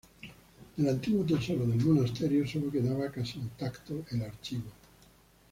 Del antiguo tesoro del monasterio, solo quedaba, casi intacto, el archivo.